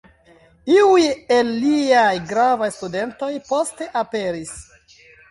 Iuj el liaj gravaj studentoj poste aperis.